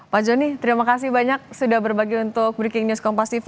pak joni terima kasih banyak sudah berbagi untuk breaking news komposisi